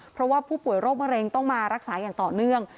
เพราะว่าผู้ป่วยโรคมะเร็งต้องมารักษาอย่างต่อเนื่อง